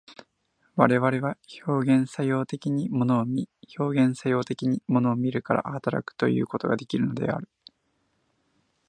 我々は表現作用的に物を見、表現作用的に物を見るから働くということができるのである。